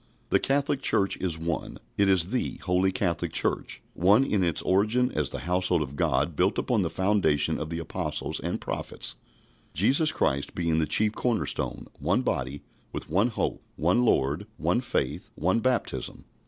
The Catholic Church is One. It is the Holy Catholic Church, one in its origin as the household of God built upon the foundation of the Apostles and Prophets, Jesus Christ being the chief corner stone; one body, with one hope, one Lord, one faith, one baptism.